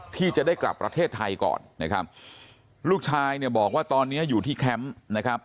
ที่จะได้กลับประเทศไทยก่อนนะครับลูกชายเนี่ยบอกว่าตอนนี้อยู่ที่แคมป์นะครับ